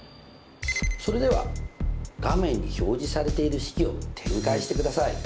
それでは画面に表示されている式を展開してください。